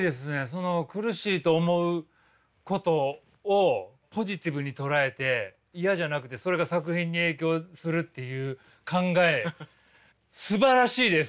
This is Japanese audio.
その苦しいと思うことをポジティブに捉えて嫌じゃなくてそれが作品に影響するっていう考えすばらしいです！